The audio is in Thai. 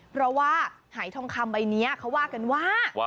เพราะว่าหายทองคำใบนี้เขาว่ากันว่า